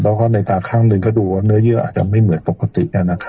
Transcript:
แล้วก็ในตาข้างหนึ่งก็ดูว่าเนื้อเยื่ออาจจะไม่เหมือนปกติ